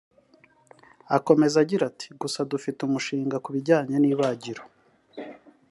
Akomeza agira ati “Gusa dufite umushinga ku bijyanye n’ibagiro